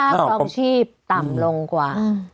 ค่าความชีพต่ำลงกว่า